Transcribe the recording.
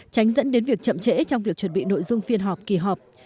tránh dẫn đến việc chậm trễ trong việc chuẩn bị nội dung phiên họp kỳ họp